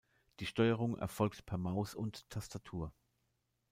Die Steuerung erfolgt per Maus und Tastatur.